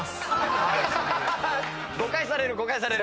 誤解される誤解される！